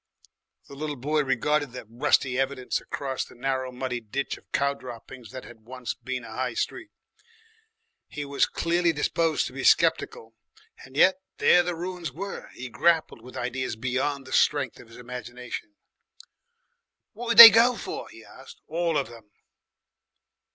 The little boy regarded the rusty evidences acrosss the narrow muddy ditch of cow droppings that had once been a High Street. He was clearly disposed to be sceptical, and yet there the ruins were! He grappled with ideas beyond the strength of his imagination. "What did they go for?" he asked, "all of 'em?"